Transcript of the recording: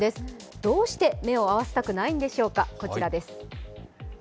どうして目を合わせたくないのでしょうか、こちらです。